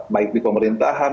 baik di pemerintahan